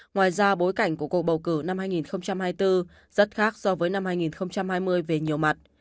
ngoài ra bối cảnh của cuộc bầu cử năm hai nghìn hai mươi bốn rất khác so với năm hai nghìn hai mươi về nhiều mặt